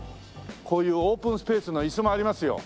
こういうオープンスペースの椅子もありますよ。